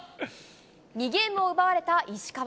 ２ゲームを奪われた石川。